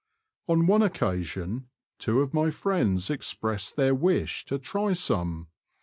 On one occasion, two of my friends expressed their wish to try some.